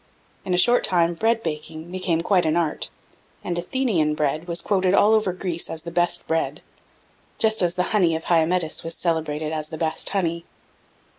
In a short time bread baking became quite an art, and "Athenian bread" was quoted all over Greece as the best bread, just as the honey of Hyamettus was celebrated as the best honey.